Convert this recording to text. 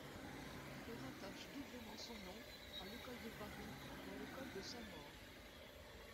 On rattache doublement son nom à l'École de Paris et à l'École de Saint-Maur.